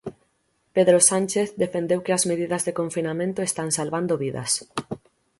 Pedro Sánchez defendeu que as medidas de confinamento están salvando vidas.